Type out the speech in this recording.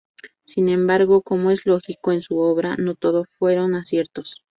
Sin embargo como es lógico, en su obra no todo fueron aciertos.